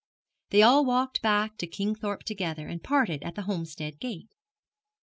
They all walked back to Kingthorpe together, and parted at the Homestead gate.